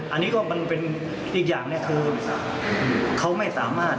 อันนี้ก็มันเป็นอีกอย่างเนี่ยคือเขาไม่สามารถ